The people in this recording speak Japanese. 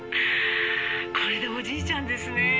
「これでおじいちゃんですねえ」